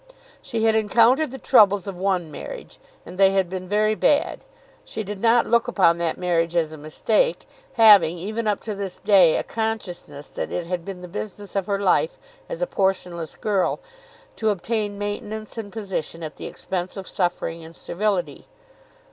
She had encountered the troubles of one marriage, and they had been very bad. She did not look upon that marriage as a mistake, having even up to this day a consciousness that it had been the business of her life, as a portionless girl, to obtain maintenance and position at the expense of suffering and servility.